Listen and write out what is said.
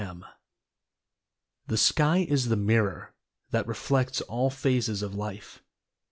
M.) The sky is the mirror that reflects all phases of Life.